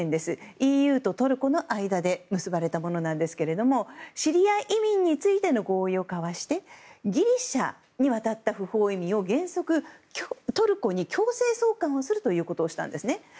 ＥＵとトルコの間で結ばれたものなんですけどもシリア移民についての合意を交わしてギリシャに渡った不法移民を原則、トルコに強制送還するということをしたんですね。